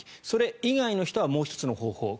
それ以外の人はもう１つの方法